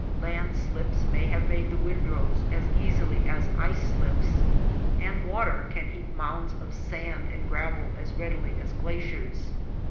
Land slips may have made the windrows as easily as ice slips ; and water can heap mounds of sand and gravel as readily as glaciers.